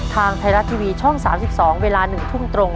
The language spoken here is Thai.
ทางไทยรัฐทีวีช่อง๓๒เวลา๑ทุ่มตรง